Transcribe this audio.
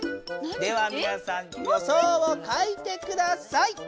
ではみなさんよそうを書いてください。